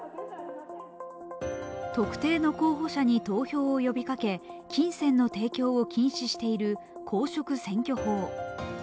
特定の候補者に投票を呼びかけ、金銭の提供を禁止している公職選挙法。